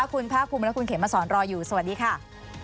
คุณภาคภูมิและคุณเขมมาสอนรออยู่สวัสดีค่ะ